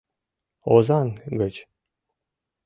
— Озаҥ гыч.